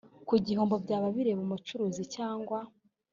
ku gihombo byaba bireba umucuruzi cyangwa